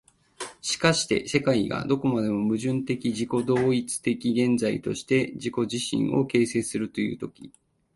しかして世界がどこまでも矛盾的自己同一的現在として自己自身を形成するという時、